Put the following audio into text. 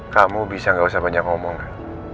kamu bisa gak usah banyak ngomong kan